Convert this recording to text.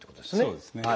そうですね。